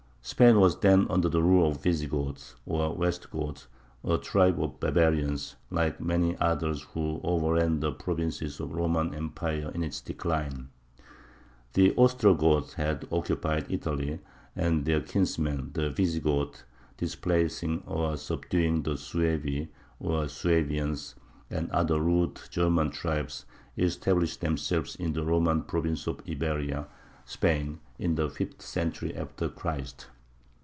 Spain was then under the rule of the Visigoths, or West Goths, a tribe of barbarians, like the many others who overran the provinces of the Roman Empire in its decline. The Ostrogoths had occupied Italy; and their kinsmen the Visigoths, displacing or subduing the Suevi (or Swabians) and other rude German tribes, established themselves in the Roman province of Iberia (Spain) in the fifth century after Christ.